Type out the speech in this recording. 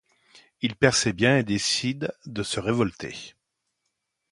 Il perd ses biens et décide de se révolter.